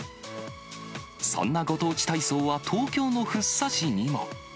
そんなご当地体操は、東京の福生市にも。